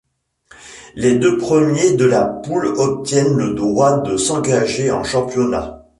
Les deux premiers de la poule obtiennent le droit de s'engager en championnat.